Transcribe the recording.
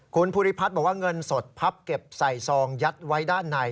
คุณภูริพัฒน์บอกว่าเงินสดพับเก็บใส่ซองยัดไว้ด้านใน